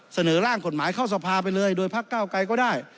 เสนอร่างกฎหมายเข้าสภาไปเลยโดยพักเก้าไกรก็ได้